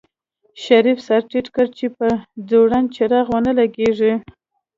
شريف سر ټيټ کړ چې په ځوړند څراغ ونه لګېږي.